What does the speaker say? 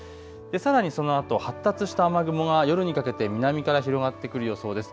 さらにそのあと発達した雨雲が夜にかけて南から広がってくる予想です。